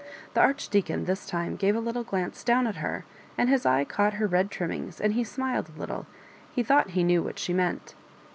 The Archdeacon this tune gave a little glance down at her, and his eye caught her red trimmings, and he smiled a little — he thought he knew what she meant.